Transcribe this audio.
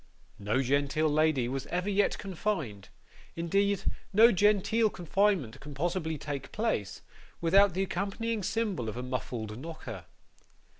No genteel lady was ever yet confined indeed, no genteel confinement can possibly take place without the accompanying symbol of a muffled knocker.